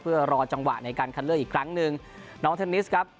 เพื่อรอจังหวะในการคัดเลือกอีกครั้งหนึ่งน้องเทนนิสครับ